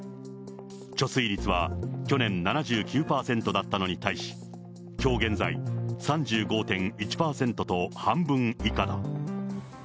貯水率は去年７９％だったのに対し、きょう現在３５．１％と半分以下だ。